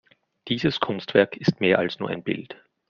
Dieses Kunstwerk ist mehr als nur ein Bild.